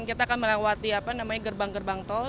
kita akan melewati gerbang gerbang tol